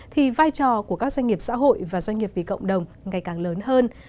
thì vai trò của các doanh nghiệp xã hội và doanh nghiệp vì cộng đồng ngày càng lớn hơn